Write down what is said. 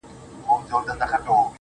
هغې کافري په ژړا کي راته وېل ه,